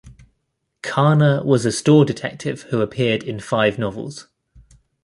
Carner was a store detective who appeared in five novels.